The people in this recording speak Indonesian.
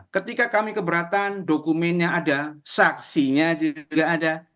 ketika kami keberatan dokumennya ada saksinya juga ada